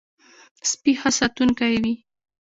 سپي ښه ساتونکی وي.